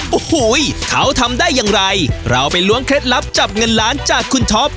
โอ้โหเขาทำได้อย่างไรเราไปล้วงเคล็ดลับจับเงินล้านจากคุณท็อป